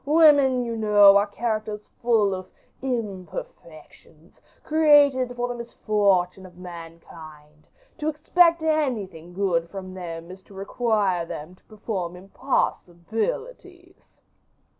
Women, you know, are characters full of imperfections, created for the misfortune of mankind: to expect anything good from them is to require them to perform impossibilities."